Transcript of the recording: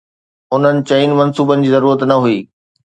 انهن چئن منصوبن جي ضرورت نه هئي.